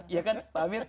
iya kan pak amir